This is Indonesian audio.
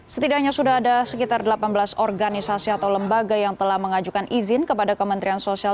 setidaknya sudah ada sekitar delapan belas organisasi atau lembaga yang telah mengajukan izin kepada kementerian sosial